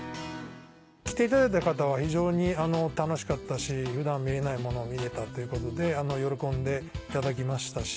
来ていただいた方は非常に楽しかったし普段見れないものを見れたということで喜んでいただきましたし。